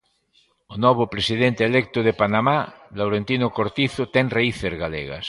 O novo presidente electo de Panamá, Laurentino Cortizo, ten raíces galegas.